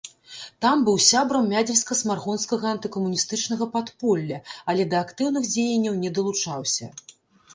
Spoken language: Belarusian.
Там быў сябрам мядзельска-смаргонскага антыкамуністычнага падполля, але да актыўных дзеянняў не далучаўся.